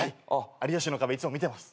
『有吉の壁』いつも見てます。